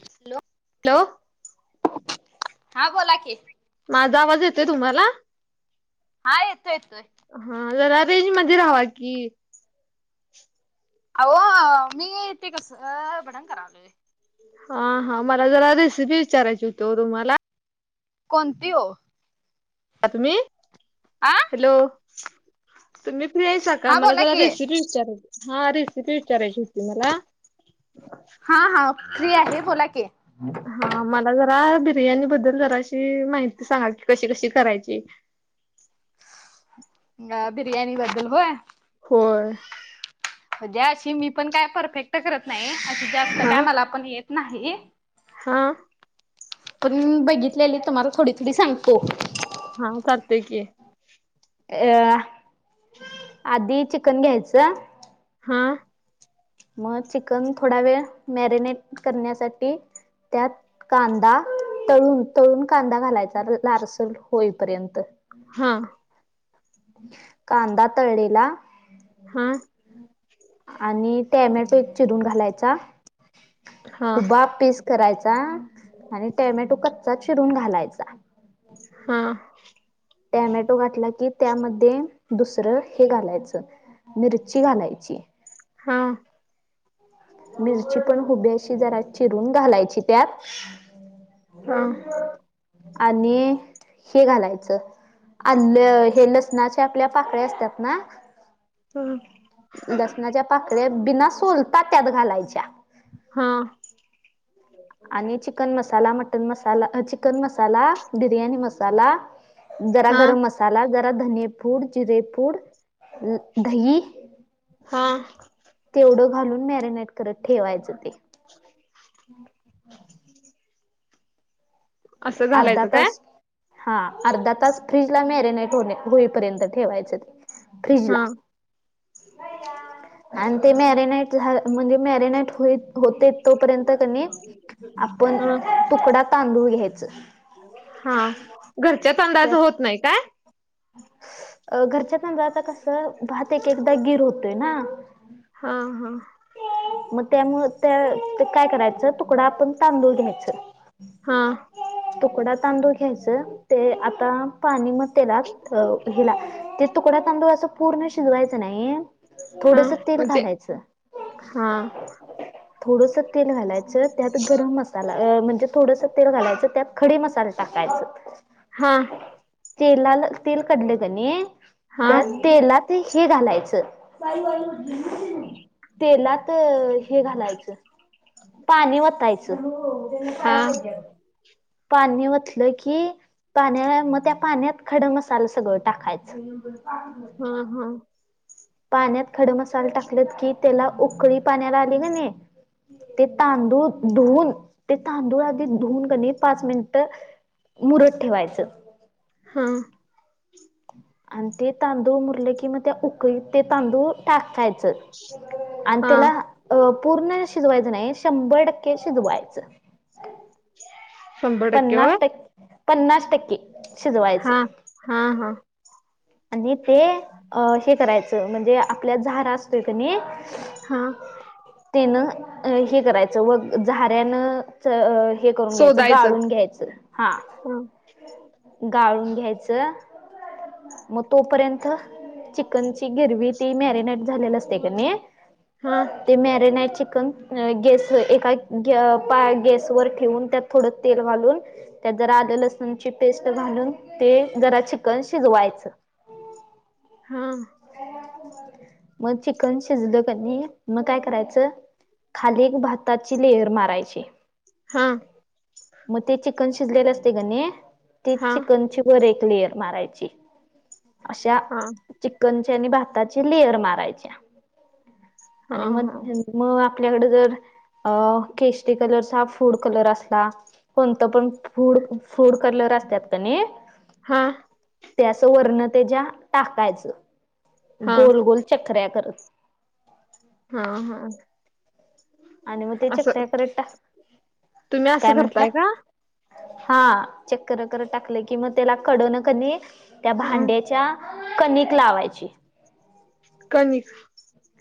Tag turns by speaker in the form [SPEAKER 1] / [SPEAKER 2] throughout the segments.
[SPEAKER 1] Hello!
[SPEAKER 2] Hello
[SPEAKER 1] हा बोला कि.
[SPEAKER 2] माझा आवाज येतोय तुम्हाला?
[SPEAKER 1] हा येतो येतोय.
[SPEAKER 2] हा जरा रेंज मध्ये राहावा की.
[SPEAKER 1] अहो मी ते कस भडंग करालोय.
[SPEAKER 2] हा हा मला जरा रेसिपी विचारायची होती तुम्हाला.
[SPEAKER 1] कोणती ओ?
[SPEAKER 2] तुम्ही.
[SPEAKER 1] आं
[SPEAKER 2] हॅलो! तुम्ही फ्री आहेसा का
[SPEAKER 1] हा
[SPEAKER 2] मला
[SPEAKER 1] बोला
[SPEAKER 2] जरा
[SPEAKER 1] की.
[SPEAKER 2] रेसिपी विचाराची हा रेसिपी विचारायची होती मला. [inaudible]
[SPEAKER 1] हा हा फ्री आहे बोला की.
[SPEAKER 2] हा मला जरा बिर्याणी बद्दल जराशी माहिती सांगा की कशी-कशी करायची.
[SPEAKER 1] हा बिर्यानी बद्दल होय.
[SPEAKER 2] होय.
[SPEAKER 1] म्हज्या अशी मी पण काय परफेक्ट करत नाही अशी जास्त
[SPEAKER 2] हा
[SPEAKER 1] काय मला पण येत नाही.
[SPEAKER 2] हा.
[SPEAKER 1] पण बघितलेले तुम्हाला थोडी-थोडी सांगतो.
[SPEAKER 2] हा करते क ये
[SPEAKER 1] या, आधी चिकन घ्यायचं
[SPEAKER 2] हा.
[SPEAKER 1] मग चिकन थोडा वेळ मॅरिनेट करण्यासाठी त्यात कांदा तळून, तळून कांदा घालायचा लालसर होईपर्यंत.
[SPEAKER 2] हा.
[SPEAKER 1] कांदा तळळेला.
[SPEAKER 2] हा.
[SPEAKER 1] आणि टॅमॅटो चिरून घालायचा,
[SPEAKER 2] हा
[SPEAKER 1] हुबा पीस करायचा आणि टोमॅटो कच्चाच चिरून घालायचा.
[SPEAKER 2] हा.
[SPEAKER 1] टॅमॅटो घातला की त्यामध्ये दुसरं हे घालायचं मिरची घालायची.
[SPEAKER 2] हां.
[SPEAKER 1] मिरची पण हुबी अशी जरा चिरून घालायची त्यात
[SPEAKER 2] हा
[SPEAKER 1] आणि हे घालायचं आलं. हे लसणाच्या आपल्या, पाकळ्या असतात ना
[SPEAKER 2] ह.
[SPEAKER 1] लसणाच्या पाकळ्या, बिना सोलता त्यात घालायच्या.
[SPEAKER 2] हा.
[SPEAKER 1] आणि चिकन मसाला, मटन मसाला. अ चिकन मसाला, बिर्याणी मसाला जरा
[SPEAKER 2] हा
[SPEAKER 1] गरम मसाला, जरा धने पूड, जिरे पूड, दही
[SPEAKER 2] हा.
[SPEAKER 1] तेवढं घालून, मॅरिनेट करत ठेवायचं ते.
[SPEAKER 2] [inaudible]
[SPEAKER 1] [unintelligible]
[SPEAKER 2] [unintelligible] असं
[SPEAKER 1] अर्धा
[SPEAKER 2] घालायचं काय
[SPEAKER 1] तास हा. अर्धा तास फ्रीज ला मॅरिनाईट होणे- होईपर्यंत ठेवायच ते.
[SPEAKER 2] हा
[SPEAKER 1] फ्रिजला. [inaudible] आणि ते मॅरीनाईट झा म्हणजे मॅरीनेट होई, होते तोपर्यंत, कनी. आपण
[SPEAKER 2] हा
[SPEAKER 1] तुकडा तांदूळ घ्यायचं.
[SPEAKER 2] हा. घरच्या तांदळाचं, होत नाही काय?
[SPEAKER 1] अ, घरच्या तांदळाचं कसं, भात एक- एकदा गिर होतोय ना.
[SPEAKER 2] हा, हा.
[SPEAKER 1] [inaudible] मग त्यामुळं त्या ते काय करायचं. तुकडा आपण तांदूळ घ्यायचं.
[SPEAKER 2] हा.
[SPEAKER 1] तुकडा तांदूळ घ्यायचं. ते आता पाणी मग त्याला अ हेला. ते तुकड्या तांदूळ असं, पूर्ण शिजवायचं नाही
[SPEAKER 2] हा
[SPEAKER 1] थोडस, तेल
[SPEAKER 2] म्हणजे
[SPEAKER 1] घालायचं
[SPEAKER 2] हा.
[SPEAKER 1] थोडस तेल घालायचं. त्यात गरम मसाला अ म्हणजे थोडसं तेल घालायचं. त्यात खडी मसाल टाकायचं.
[SPEAKER 2] हा.
[SPEAKER 1] तेलाल, तेल कढलं कनई
[SPEAKER 2] हा
[SPEAKER 1] त्या तेलात ते हे घालायचं. [unintelligible] तेलात तर हे घालायचं. पाणी वतायचं.
[SPEAKER 2] हा
[SPEAKER 1] पाणी वतलं की पाण्या मग त्या पाण्यात, खडं मसाल सगळं टाकायचं.
[SPEAKER 2] हा, हा.
[SPEAKER 1] पाण्यात खडं मसाल टाकलेत की, त्याला उकळी पाण्याला आली कीनइ ते तांदूळ धुवून. ते तांदूळ आधी धुऊन का नाही, पाच मिनिटं मुरत ठेवायचं.
[SPEAKER 2] हा.
[SPEAKER 1] आणि ते तांदूळ मुरलं कि, मग त्या उकळीत ते तांदूळ टाकायचं. आन
[SPEAKER 2] हा
[SPEAKER 1] त्याला अ पूर्ण शिजवायचं नाही. शंभर टक्के शिजवायचं.
[SPEAKER 2] शंभर टक्के होय
[SPEAKER 1] पन्नास टके- पन्नास टक्के. शिजवायचं
[SPEAKER 2] हा. हा, हा.
[SPEAKER 1] आणि ते, अ हे करायचं. म्हणजे आपल्यात झारा असतोय कनइ
[SPEAKER 2] हा.
[SPEAKER 1] तेन हे करायचं. व झाऱ्यान च अ हे करून घ्यायचं.
[SPEAKER 2] शोधायचं
[SPEAKER 1] गाळून घ्यायचं, हा. गाळून घ्यायचं मग तोपर्यंत, चिकनची गिरवी ती, मॅरिनाईट झालेल असतय का नाही
[SPEAKER 2] हा.
[SPEAKER 1] ते मॅरिनाइ चिकन. गस एका गॅ पा गॅस वर ठेवून, त्यात थोडं तेल घालून त्यात जरा आलं लसूणची पेस्ट घालून ते जरा चिकन शिजवायचं.
[SPEAKER 2] हाम.
[SPEAKER 1] मग चिकन शिजलं कनी मग काय करायचं, खाली एक भाताची लेअर मारायची.
[SPEAKER 2] हा
[SPEAKER 1] मग ते चिकन शिजलेलं असते ग नाही ती
[SPEAKER 2] हा
[SPEAKER 1] चिकनची वर एक लेयर मारायची. अशा
[SPEAKER 2] हा
[SPEAKER 1] चिकनचे आणि भाताचे लेअर मारायच्या आणि
[SPEAKER 2] हा
[SPEAKER 1] मगं मग आपल्याकड जर अ केष्टी कलरचा फूड कलर असला कोणत पण फूड फूड करल असत्यात का नाही
[SPEAKER 2] हा
[SPEAKER 1] त्याच वर्ण त्याच्या टाकायचं
[SPEAKER 2] हा
[SPEAKER 1] गोल गोल चकऱ्या करत.
[SPEAKER 2] हा हा
[SPEAKER 1] आणि मग त्याच्या
[SPEAKER 2] असं
[SPEAKER 1] चखऱ्या करत टा,
[SPEAKER 2] तुम्ही
[SPEAKER 1] काय
[SPEAKER 2] असं
[SPEAKER 1] म्हंटला.
[SPEAKER 2] करताय का
[SPEAKER 1] हा चेक्कर करट करत टाकले की मग त्याला कड न कनी त्या
[SPEAKER 2] हा
[SPEAKER 1] भांड्याच्या कनिक लावायची.
[SPEAKER 2] कनिक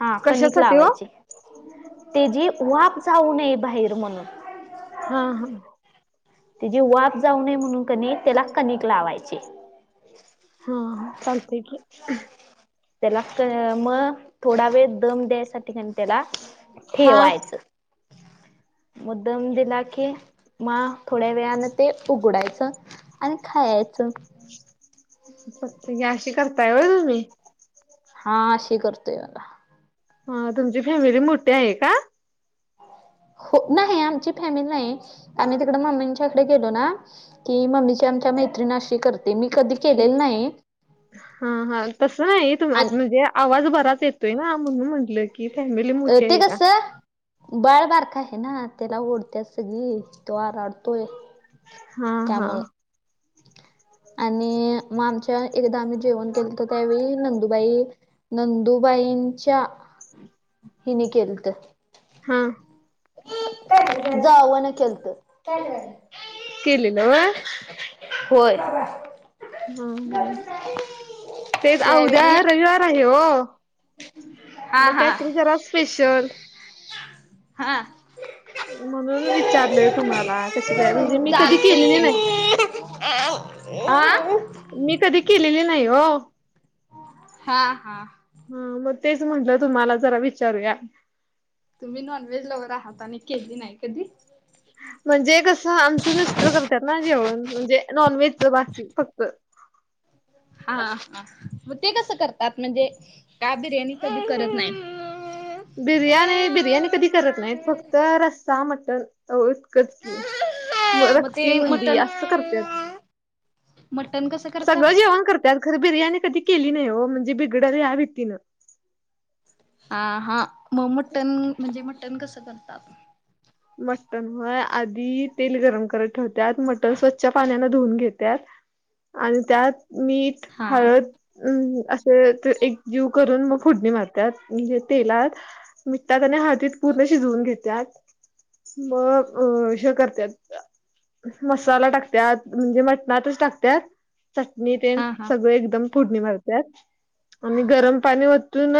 [SPEAKER 1] हा कणिक लावायचे तेजी वाफ जाऊ नये बाहेर म्हणून.
[SPEAKER 2] हा हा
[SPEAKER 1] तिजी वाफ जाऊ नये म्हणून कनी त्याला कणिक लावायची.
[SPEAKER 2] हा ह चालतय की.
[SPEAKER 1] त्याला क मग थोडा वेळ दम द्यायसाठी कण त्याला,
[SPEAKER 2] हा
[SPEAKER 1] ठेवायचं. मग दम दिला की मा थोड्या वेळने ते उघडायचं. अन खायाच खायचं.
[SPEAKER 2] सत्य आशी करतायव होय तुम्ही.
[SPEAKER 1] हा अशी करतोय बगा.
[SPEAKER 2] ह तुमची फॅमिली मोठी आहे का?
[SPEAKER 1] हो नाही आमची फॅमिली नाही आम्ही तिकड मम्मींच्याकडे गेलो ना की मम्मीची आमच्या मैत्रिण आशी करते मी कधी केलेलं नाही
[SPEAKER 2] हा हा तस नाही त
[SPEAKER 1] आणि
[SPEAKER 2] म्हणजे, आवाज बराच येतोय ना म्हणून म्हटलंय. केक आणलंरला
[SPEAKER 1] ये ते कस. बाळबारक आहे ना त्याला ओढत्यात सगळी तो आराडतोय.
[SPEAKER 2] हा हा
[SPEAKER 1] त्यामुळं आणि मग आमच्या एकदा आम्ही जेवण केलं तर त्यावेळी नंदुबाई. नंदुबाईंच्या हिनी केलं त.
[SPEAKER 2] हा
[SPEAKER 1] जावन केलतं.
[SPEAKER 2] केलेल व्हय
[SPEAKER 1] होय.
[SPEAKER 2] ह ह तेच उद्या
[SPEAKER 1] त्यावेळी
[SPEAKER 2] रविवार व्ह आहे हो
[SPEAKER 1] हा
[SPEAKER 2] मग
[SPEAKER 1] हा
[SPEAKER 2] काहीतरी जरा स्पेशल.
[SPEAKER 1] हा
[SPEAKER 2] म्हणून विचारलंय तुम्हाला कशी काय
[SPEAKER 1] चालतय
[SPEAKER 2] म्हणजे मी कधी केलेली नाही
[SPEAKER 1] ते हा.
[SPEAKER 2] मी कधी केलेली नाही हो.
[SPEAKER 1] हा हा
[SPEAKER 2] हा मग तेच म्हटलं तुम्हाला जरा विचारूया.
[SPEAKER 1] तुम्ही नॉनव्हेज लवर आहात आणि केली नाही कधी
[SPEAKER 2] म्हणजे कसं आमचं मिस्टर करतात ना जेवण म्हणजे नॉन व्हेजच बाकी फक्त
[SPEAKER 1] हा हा. मग ते कसं करतात म्हणजे का बिर्याणी कधी करत नाही.
[SPEAKER 2] बिर्याणी, बिर्याणी कधी करत नाहीत. फक्त रस्सा, मटन हो इतकंच की, म
[SPEAKER 1] मग
[SPEAKER 2] रक्ती,
[SPEAKER 1] ते
[SPEAKER 2] मुंडी
[SPEAKER 1] मटण
[SPEAKER 2] असं करत्यात.
[SPEAKER 1] मटण कसं करता?
[SPEAKER 2] त्यात खरं बिर्याणी कधी केली नाही हो, म्हणजे बिघडल या भीतीन
[SPEAKER 1] हा हा मग मटन म्हणजे मटण कसं करतात?
[SPEAKER 2] मटण होय, आधी तेल गरम करायला ठेवतात. मटन स्वच्छ पाण्यान धुवून घेतात. आणि त्यात मीठ,
[SPEAKER 1] हा
[SPEAKER 2] हळद अ असे एक जीव करून मग फोडणी मारत्यात म्हणजे तेलात मिठात आणि हळदीत पूर्ण शिजवून घेत्यात. मग हे करत्यात. मसाला टाकत्यात म्हणजे मटणातच टाकत्यात चटणी तेन
[SPEAKER 1] हा हा
[SPEAKER 2] सगळ एकदम फोडणी मारत्यात आणि गरम पाणी वतून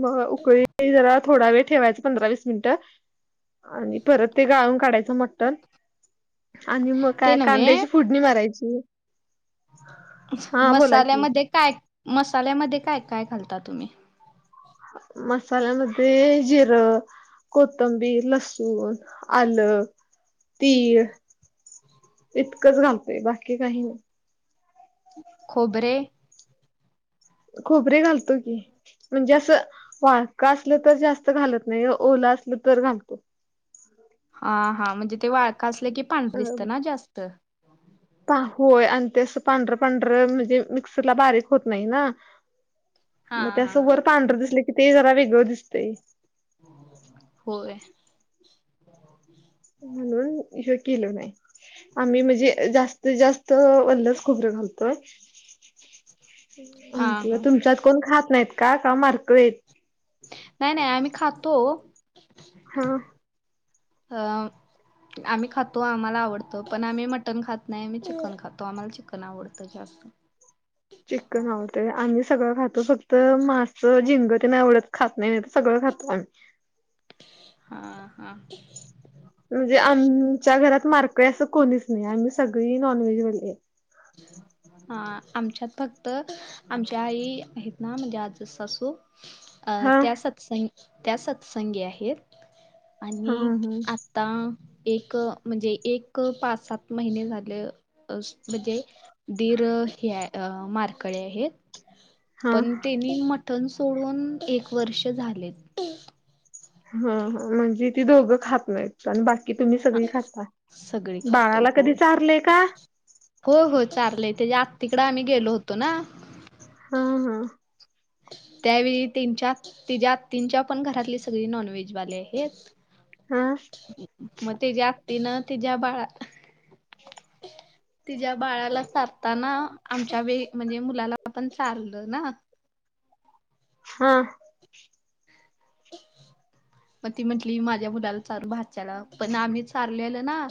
[SPEAKER 2] मग उकळी जरा थोडा वेळ ठेवायचं पंधरा, वीस मिनटं आणि परत ते गाळून काढायचं मट्न आणि मग
[SPEAKER 1] ते
[SPEAKER 2] काय
[SPEAKER 1] नव्हे
[SPEAKER 2] कांद्याची फोडणी मारायची. हा बोला की
[SPEAKER 1] मसाल्यामध्ये काय मसाल्यामध्ये काय काय घालता तुम्ही
[SPEAKER 2] मसाल्यामध्ये जिरं कोथंबीर, लसूण, आलं, तीळ इतकंच घाबते बाकी काही नाही.
[SPEAKER 1] खोबरे
[SPEAKER 2] खोबरे घालतो की म्हणजे असं वाळक असलं तर जास्त घालत नाही. ओला असलं तर घालतो.
[SPEAKER 1] हा हा म्हणजे ते वाळका असलं की पांढर
[SPEAKER 2] अ
[SPEAKER 1] दिसतं ना जास्त
[SPEAKER 2] होय आणि ते अस पांढरं पांढरं म्हणजे मिक्सर ला बारीक होत नाही ना
[SPEAKER 1] हा
[SPEAKER 2] मग ते असं
[SPEAKER 1] हा
[SPEAKER 2] वर पांढरं दिसले की ते जरा वेगळं दिसतंय.
[SPEAKER 1] होय. [unintelligible]
[SPEAKER 2] म्हणून हे केल नाही आम्ही म्हणजे जास्त त जास्त ओल च खोबरं घालतोय.
[SPEAKER 1] हा
[SPEAKER 2] आणखी
[SPEAKER 1] हा
[SPEAKER 2] तुमच्यात कोण खात नाहीत का काय माळकरी आहेत.
[SPEAKER 1] नाही नाही आम्ही खातो.
[SPEAKER 2] हा.
[SPEAKER 1] अह आम्ही खातो आम्हाला आवडतं पण आम्ही मटन खात नाही, आम्ही चिकन खातो. आम्हाला चिकन आवडतं जास्त
[SPEAKER 2] चिकन आवडत. ते आम्ही सगळं खातो फक्त मास, झिंंग ते नाही आवडत खात नाही, नाही तर सगळं खातो आम्ही
[SPEAKER 1] हा हा.
[SPEAKER 2] म्हणजे आमच्या घरात माळकरी असं कोणीच नाही आम्ही सगळी नॉनव्हेजवाली आहे. [inaudible]
[SPEAKER 1] अ आमच्यात फक्त आमच्या आई आहेत ना म्हणजे आजच सासू अ
[SPEAKER 2] हा
[SPEAKER 1] त्या सत्संग त्या सत्संगी आहेत.
[SPEAKER 2] हा
[SPEAKER 1] आणि
[SPEAKER 2] हा
[SPEAKER 1] आ ता एक म्हणजे एक पाच, सात महिने झाले अस म्हणजे दीर हे माळकरी आहेत.
[SPEAKER 2] हा.
[SPEAKER 1] पण तेनी मटन सोडून एक वर्ष झाले.
[SPEAKER 2] हा हा म्हणजे ती दोघं खात नाहीत. बाकी तुम्ही सगळी खाता.
[SPEAKER 1] सगळी
[SPEAKER 2] बाळाला कधी चारलंय का?
[SPEAKER 1] हो हो चारलंय. तेजा आत्तीकड आम्ही गेलो होतो ना
[SPEAKER 2] हां हां.
[SPEAKER 1] त्यावेळी त्येंच्यांत ते ज्या ज्वत सगळी नांनव्हे ज वाले आ
[SPEAKER 2] हम्म.
[SPEAKER 1] म ते ज्या तीन ते ज्या बाळा तिच्या्या बाळाला सारताना आमच्या वे म्हणजे मुलाला आपण सारलं ना
[SPEAKER 2] हां.
[SPEAKER 1] म ती म्हटली माझ्या मुलाल चार भात. चला पण आम्हीच हारलेलं ना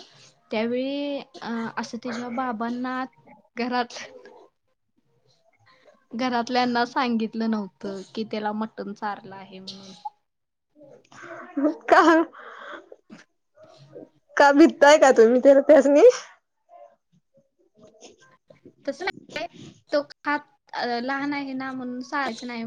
[SPEAKER 1] त्यावेळी की अ असं तीच्या बाबांना घरात घरातल्यांना सांगितलं नव्ह त की त्याला मटण चारलं आहे म्हणून.
[SPEAKER 2] का? भित्ताय का तुम्ही तर त्यासनी? [inaudible]
[SPEAKER 1] तसं नाही काही तो फार अ लहान आहे ना म्हणून सायाचं नाहीं.